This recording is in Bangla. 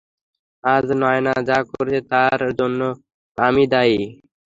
আজ নায়না যা করছে তার জন্য আমি দায়ী।